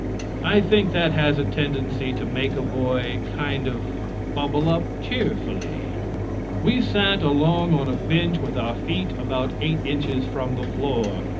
I think that has a tendency to make a boy kind of bubble up cheerfully. We sat along on a bench with our feet about eight inches from the floor.